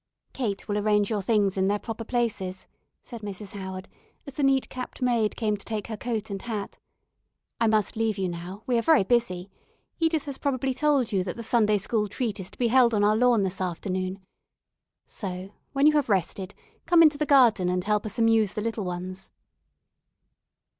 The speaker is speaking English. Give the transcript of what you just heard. "Kate will arrange your things in their proper places," said Mrs. Howard, as the neat capped maid came to take her coat and hat. "I must leave you now, we are very busy. Edith has probably told you that the 'Sunday school treat' is to be held on our lawn this afternoon, so, when you have rested, come into the garden and help us amuse the little ones."